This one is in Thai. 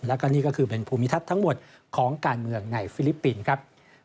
แล้วก็นี่ก็คือเป็นภูมิทัศน์ทั้งหมดของการเมืองในฟิลิปปินส์ครับ